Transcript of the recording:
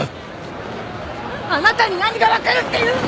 あなたに何が分かるっていうの！